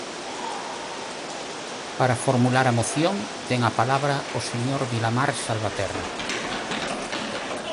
Para formular a moción, ten a palabra o señor Vilamar Salvaterra.